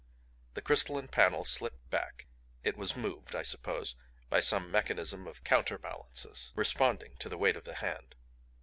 The crystalline panel slipped back; it was moved, I suppose, by some mechanism of counterbalances responding to the weight of the hand.